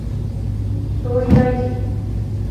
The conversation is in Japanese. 総理大臣